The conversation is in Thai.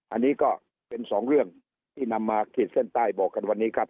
อันนี้ก็เป็นสองเรื่องที่นำมาขีดเส้นใต้บอกกันวันนี้ครับ